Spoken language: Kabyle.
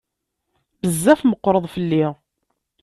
Bezzaf meqqreḍ fell-i.